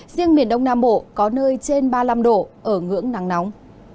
riêng miền đông nam bộ có nơi trên ba mươi năm độ ở ngưỡng nắng nóng